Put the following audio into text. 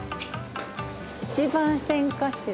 １番線かしら？